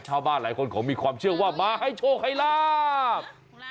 ชาวบ้านหลายคนเขามีความเชื่อว่ามาให้โชคให้ลาบ